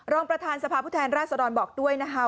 รองประธานสภาพผู้แทนราษฎรบอกด้วยนะคะ